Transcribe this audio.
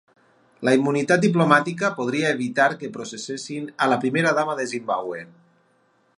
La immunitat diplomàtica podria evitar que processessin a la primera dama de Zimbàbue